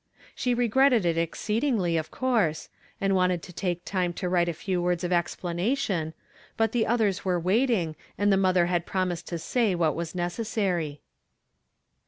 She regretted it exceedingly, of course, and wanted to take time to write a few words of explanation ; but the otliera were waiting, and the mother had promised to say what was necessary.